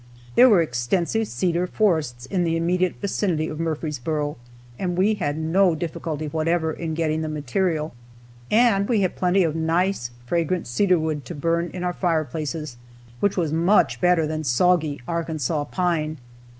There were extensive cedar forests in the immediate vicinity of Murfreesboro, and we had no difficulty whatever in getting the material. And we had plenty of nice, fragrant cedar wood to burn in our fire places, which was much better than soggy Arkansas pine.